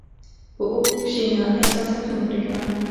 په هوښ کښېنه، احساسات مه پرېږده.